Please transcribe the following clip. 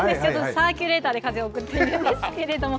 サーキュレーターで風を送っているんですけれども。